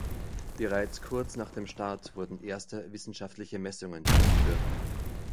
Bereits kurz nach dem Start wurden erste wissenschaftliche Messungen durchgeführt.